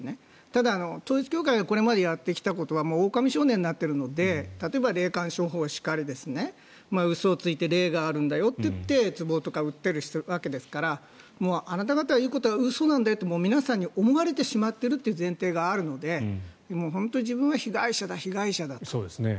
ただ、統一教会がこれまでやってきたことはもう、おおかみ少年になっているので例えば、霊感商法しかり嘘をついて霊があるんだよと言ってつぼとか売っているわけですからあなた方が言うのは嘘なんだよと皆さんに思われてしまっているという前提があるので自分は被害者だ、被害者だと。